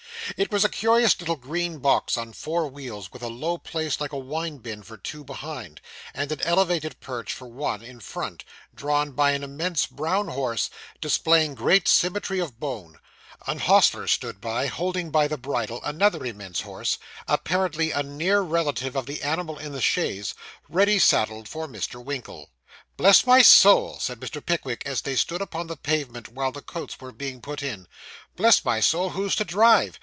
It was a curious little green box on four wheels, with a low place like a wine bin for two behind, and an elevated perch for one in front, drawn by an immense brown horse, displaying great symmetry of bone. An hostler stood near, holding by the bridle another immense horse apparently a near relative of the animal in the chaise ready saddled for Mr. Winkle. 'Bless my soul!' said Mr. Pickwick, as they stood upon the pavement while the coats were being put in. 'Bless my soul! who's to drive?